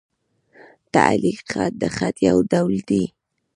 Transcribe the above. تعلیق خط؛ د خط یو ډول دﺉ.